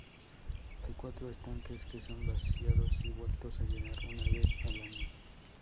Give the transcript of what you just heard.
Hay cuatro estanques que son vaciados y vueltos a llenar una vez al año.